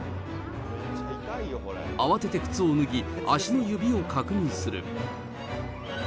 慌てて靴を脱ぎ、足の指を確認する。